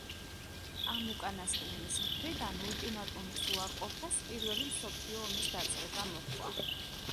ამ უკანასკნელის მხრიდან ულტიმატუმის უარყოფას პირველი მსოფლიო ომის დაწყება მოჰყვა.